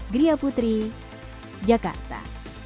gria putri jakarta